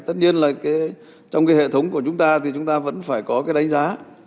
tất nhiên là trong cái hệ thống của chúng ta thì chúng ta vẫn phải có cái đánh giá